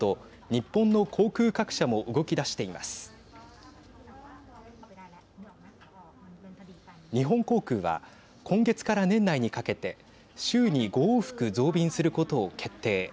日本航空は今月から年内にかけて週に５往復増便することを決定。